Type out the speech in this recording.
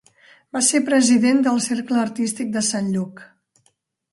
Va ser president del Cercle Artístic de Sant Lluc.